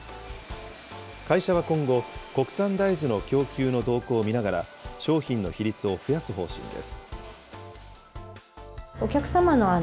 会社は今後、国産大豆の供給の動向を見ながら、商品の比率を増やす方針です。